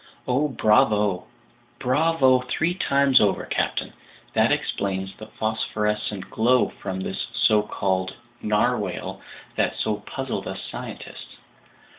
"Oh, bravo! Bravo three times over, captain! That explains the phosphorescent glow from this so called narwhale that so puzzled us scientists!